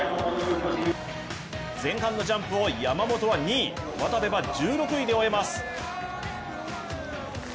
前半のジャンプを山本は２位、渡部は１６位で終えます。